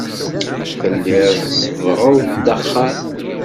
Telliḍ tsebbɣeḍ-d axxam.